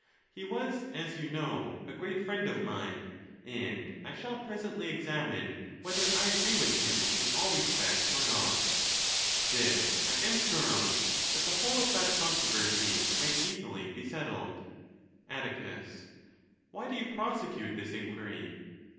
He was, as you know, a gfeat friend of mine ; and | shall presently examine whether I agree with him in all respects or not. This I am sure of, that the whole of that controversy might easily be settled. Atticus.—Why do you prosecute this inquiry ?